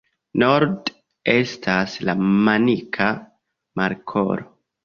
Norde estas la Manika Markolo.